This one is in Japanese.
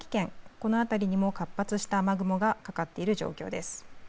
この辺りにも活発した雨雲がかかっている状況です。